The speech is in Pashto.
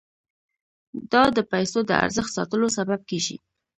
دا د پیسو د ارزښت ساتلو سبب کیږي.